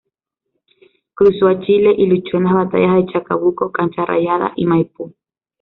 Cruzó a Chile y luchó en las batallas de Chacabuco, Cancha Rayada y Maipú.